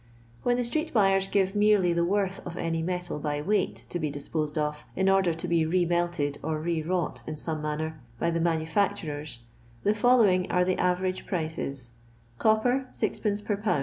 When the street buyers give merely the worth of any metal by weight to be disposed of, in order to be rs melted, or re wrought in some manner, by the manu&ctnrers, the following are the aversge prices :— Copper, 6d, per lb.